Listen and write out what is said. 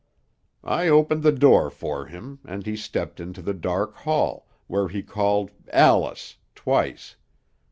"I opened the door for him, and he stepped into the dark hall, where he called 'Alice!' twice.